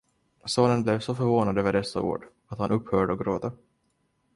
Sonen blev så förvånad över dessa ord, att han upphörde att gråta.